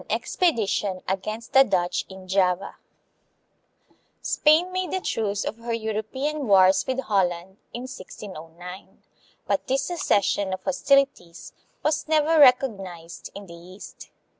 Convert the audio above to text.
An Expedition against the Dutch in Java. Spain made a truce of her European wars with Holland in 1609, but this cessation of hostilities was never recognized in the East.